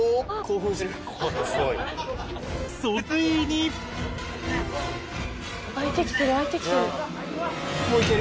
開いてきてる開いてきてる。